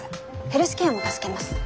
ヘルスケアも助けます。